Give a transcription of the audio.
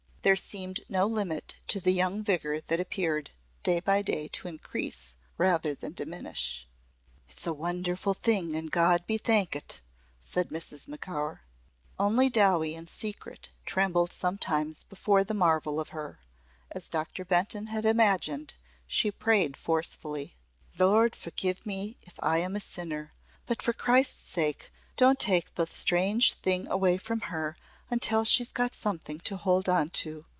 There seemed no limit to the young vigour that appeared day by day to increase rather than diminish. "It's a wonderful thing and God be thankit," said Mrs. Macaur. Only Dowie in secret trembled sometimes before the marvel of her. As Doctor Benton had imagined, she prayed forcefully. "Lord, forgive me if I am a sinner but for Christ's sake don't take the strange thing away from her until she's got something to hold on to.